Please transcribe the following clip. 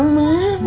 makasih ya mak